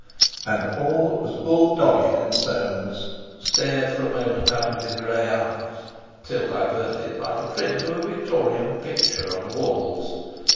And all that was bull dogged in Soames stared for a moment out of his grey eyes, till diverted by the print of a Victorian picture on the walls.